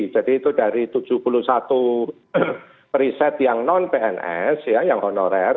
jadi itu dari tujuh puluh satu perisai yang non pns yang honorer